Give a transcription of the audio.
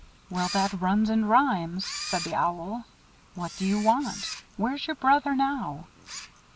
'" "Well, that runs and rhymes," said the Owl. "What do you want? Where's your brother now?"